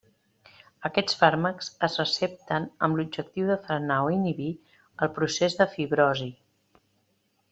Aquests fàrmacs es recepten amb l'objectiu de frenar o inhibir el procés de fibrosi.